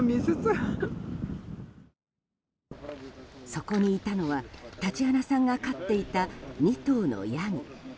そこにいたのはタチアナさんが飼っていた２頭のヤギ。